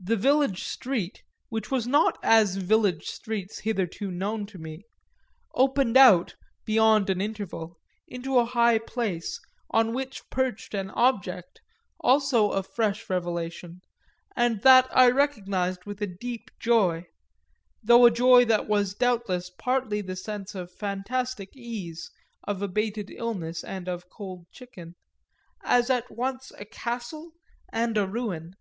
The village street, which was not as village streets hitherto known to me, opened out, beyond an interval, into a high place on which perched an object also a fresh revelation and that I recognised with a deep joy though a joy that was doubtless partly the sense of fantastic ease, of abated illness and of cold chicken as at once a castle and a ruin.